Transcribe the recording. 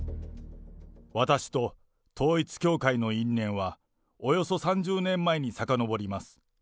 私と統一教会の因縁は、およそ３０年前にさかのぼります。